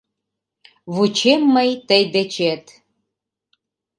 Вучем мый тый дечет.